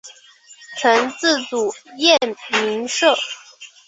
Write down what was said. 曾自组燕鸣社。